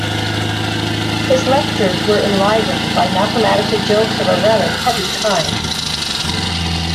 His lectures were enlivened by mathematical jokes of a rather heavy kind.